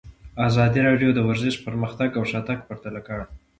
ازادي راډیو د ورزش پرمختګ او شاتګ پرتله کړی.